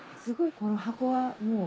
すごいこの箱は。